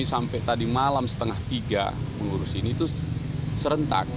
sampai tadi malam setengah tiga mengurus ini itu serentak